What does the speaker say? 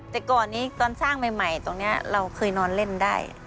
แต่ก่อนนี้ตอนสร้างใหม่ตรงนี้เราเคยนอนเล่นได้